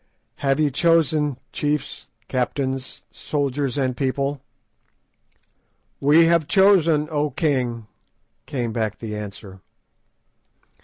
Have ye chosen, chiefs, captains, soldiers, and people?" "We have chosen, O king," came back the answer.